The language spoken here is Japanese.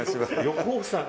横尾さん？